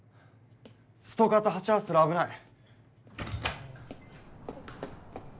ストーカーと鉢合わせたら危ない。